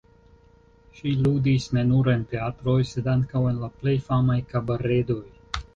Ŝi ludis ne nur en teatroj, sed ankaŭ en la plej famaj kabaredoj.